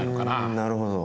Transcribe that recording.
んなるほど。